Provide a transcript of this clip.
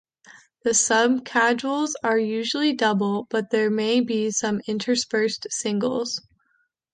The subcaudals are usually double, but there may be some interspersed singles.